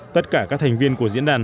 tất cả các thành viên của diễn đàn